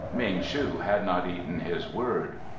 Ming shu had not eaten his word.